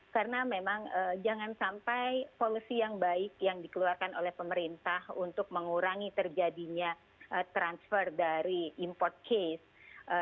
karena memang jangan sampai policy yang baik yang dikeluarkan oleh pemerintah untuk mengurangi terjadinya transfer dari import case